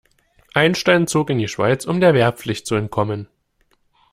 Einstein zog in die Schweiz, um der Wehrpflicht zu entkommen.